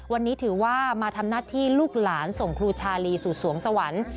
วันนี้ถือว่ามาทำหน้าที่ลูกหลานส่งครูชาลีสู่สวงสวรรค์